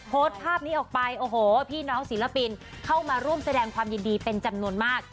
โพสต์ภาพนี้ออกไปโอ้โหพี่น้องศิลปินเข้ามาร่วมแสดงความยินดีเป็นจำนวนมาก